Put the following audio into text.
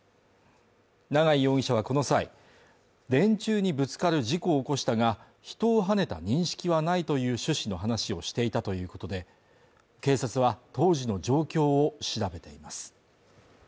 長井容疑者はこの際電柱にぶつかる事故を起こしたが人をはねた認識はないという趣旨の話をしていたということで、警察は当時の状況を調べています。